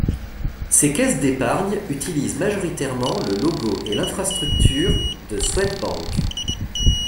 Ces caisses d'épargnes utilisent majoritairement le logo et l'infrastructure de Swedbank.